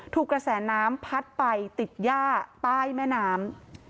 กระแสน้ำพัดไปติดย่าใต้แม่น้ำ